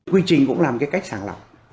quy trình cũng làm cái cách sàng lọc